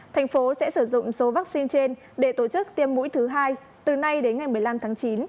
thành phố sẽ sử dụng số vaccine trên để tổ chức tiêm mũi thứ hai từ nay đến ngày một mươi năm tháng chín